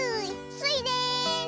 スイです！